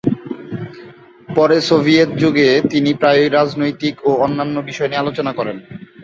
পরে সোভিয়েত যুগে তিনি প্রায়ই রাজনৈতিক ও অন্যান্য বিষয় নিয়ে আলোচনা করেন।